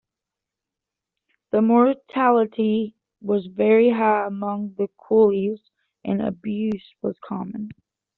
The mortality was very high among the coolies and abuse was common.